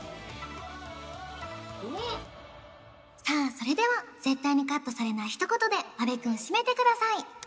さあそれでは絶対にカットされない一言で阿部くん締めてください